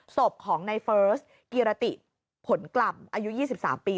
ศพของในเฟิร์สกิรติผลกล่ำอายุ๒๓ปี